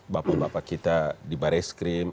bapak bapak kita di baris krim